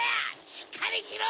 しっかりしろ！